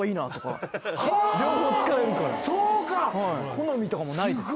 好みとかもないです。